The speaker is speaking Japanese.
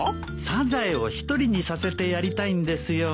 サザエを一人にさせてやりたいんですよ。